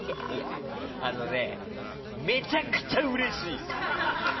あのねめちゃくちゃうれしい！